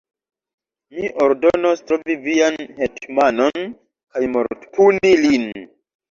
Mi ordonos trovi vian hetmanon kaj mortpuni lin!